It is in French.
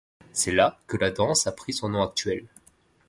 C'est là que la danse a pris son nom actuel.